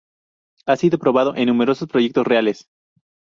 Ha sido probado en numerosos proyectos reales.